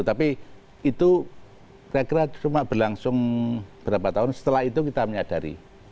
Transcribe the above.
tapi itu kira kira cuma berlangsung berapa tahun setelah itu kita menyadari